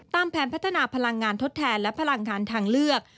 แผนพัฒนาพลังงานทดแทนและพลังงานทางเลือก